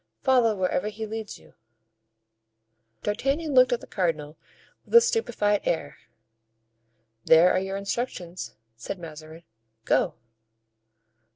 "Follow wherever he leads you." D'Artagnan looked at the cardinal with a stupefied air. "There are your instructions," said Mazarin; "go!"